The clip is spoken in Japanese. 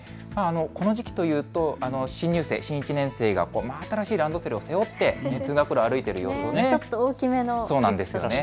この時期というと新入生、新１年生が真新しいランドセルを背負って通学路を歩いている様子が見えますね。